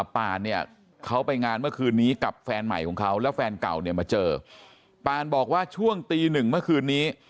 ปานเนี่ยเขาไปงานเมื่อคืนนี้กับแฟนใหม่ของเขาแล้วแฟนเก่าเนี่ยมาเจอปานบอกว่าช่วงตีหนึ่งเมื่อคืนนี้